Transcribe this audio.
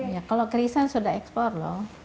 ya kalau kerisan sudah ekspor loh